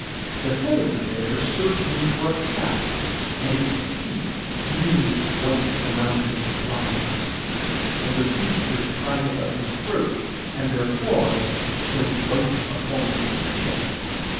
The head of the bear served him for a cap, and its teeth grinned white around his brows; and the feet were tied about his throat, and their claws shone white upon his chest.